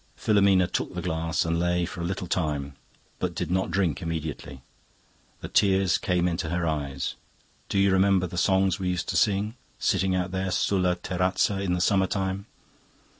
"Filomena took the glass and lay for a little time, but did not drink immediately. The tears came into her eyes. 'Do you remember the songs we used to sing, sitting out there sulla terrazza in the summer time?